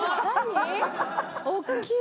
大きい。